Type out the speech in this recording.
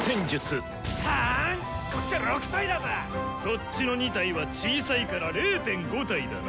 そっちの２体は小さいから０．５体だな。